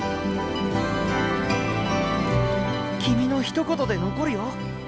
君のひと言で残るよ。